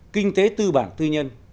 kinh tế tư bản tư nhân